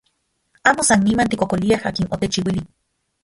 Amo san niman tikkokoliaj akin otechchiuili.